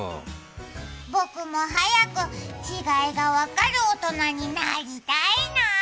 僕も早く違いが分かる大人になーりたいなー。